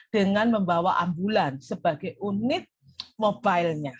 dengan membawa ambulan sebagai unit mobilenya